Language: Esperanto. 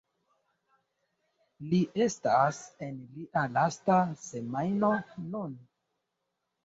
Li estas en lia lasta semajno nun.